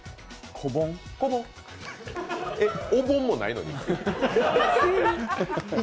おぼんもないのに？